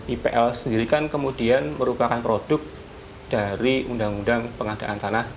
ipl sendiri kan kemudian merupakan produk dari undang undang pengadaan tanah